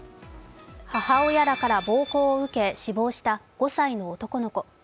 母親らから暴行を受け死亡した５歳の男の子。